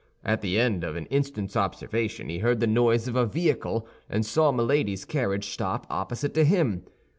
At the end of an instant's observation he heard the noise of a vehicle, and saw Milady's carriage stop opposite to him.